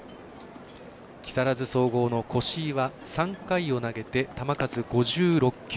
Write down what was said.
木更津総合の越井は３回を投げて球数５６球。